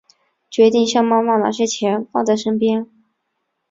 决定向妈妈拿些钱放在身边